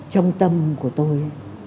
trong tâm của tôi